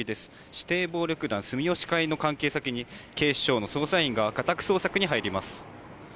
指定暴力団住吉会の関係先に、警視庁の捜査員が家宅捜索に入ります。